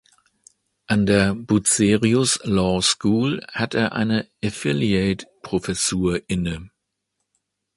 An der Bucerius Law School hat er eine "Affiliate" Professur inne.